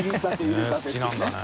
ねぇ好きなんだね。